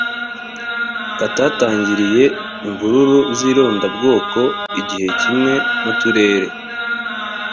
katatangiriye imvururu z irondabwoko igihe kimwe n uturere